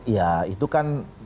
ya itu kan